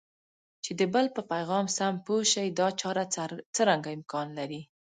چې د بل په پیغام سم پوه شئ دا چاره څرنګه امکان لري؟